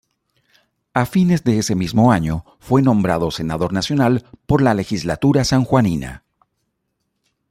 A fines de ese mismo año fue nombrado senador nacional por la Legislatura sanjuanina.